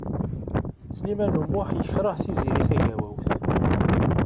Sliman U Muḥ yekṛeh Tiziri Tagawawt.